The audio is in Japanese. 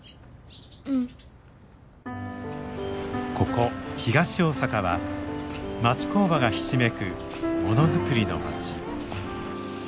ここ東大阪は町工場がひしめくものづくりの町。